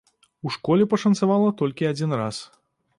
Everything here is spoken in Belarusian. У школе пашанцавала толькі адзін раз.